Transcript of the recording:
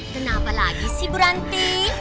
kenapa lagi sih bu ranti